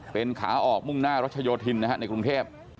เป็นขาออกมุ่งหน้ารัชโยธินในกรุงเทพ